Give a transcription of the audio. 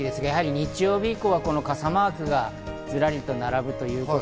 日曜日以降は傘マークがずらり。